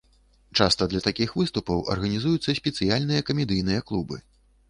Часта для такіх выступаў арганізуюцца спецыяльныя камедыйныя клубы.